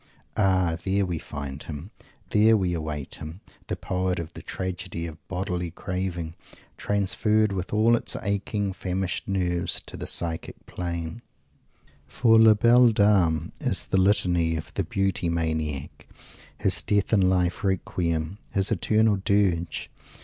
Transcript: Ah, there we find him there we await him the poet of the tragedy of bodily craving, transferred, with all its aching, famished nerves, on to the psychic plane! For "La Belle Dame" is the Litany of the Beauty Maniac his death in life Requiem, his eternal Dirge!